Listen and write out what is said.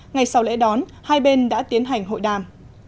ngày sau lễ đón hai bên đã tiến hành hội đàm